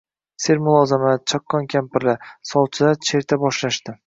sermulozamat, chaqqon kampirlar — sovchilar cherta boshlashdi.